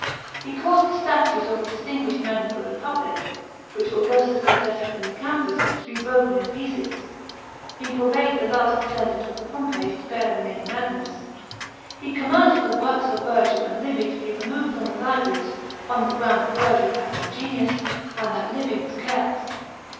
He caused the statues of the distinguished men of the Kepublic, which Augustus had set up in the Campus, to be broken hi pieces. He forbade the last descendant of the Pompeys to bear the name Magnus. He commanded the works of Virgil and Livy to be removed from the libraries, on the ground that Viigil had no genius, and that Livy was careless.